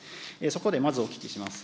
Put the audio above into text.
そこでまずお聞きします。